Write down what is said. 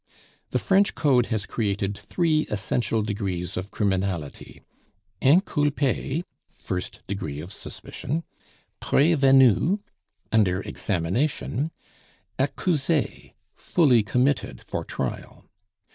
The French Code has created three essential degrees of criminality inculpe, first degree of suspicion; prevenu, under examination; accuse, fully committed for trial.